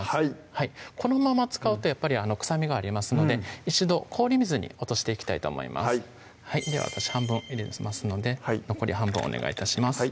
はいこのまま使うとやっぱり臭みがありますので一度氷水に落としていきたいと思いますでは私半分入れますので残り半分お願い致します